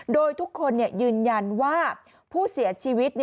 โดยทุกคนยืนยันว่าผู้เสียชีวิต